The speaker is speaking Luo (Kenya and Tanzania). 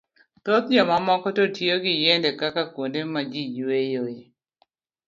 Thoth jomamoko to tiyo gi yiende kaka kuonde ma ji yueyoe.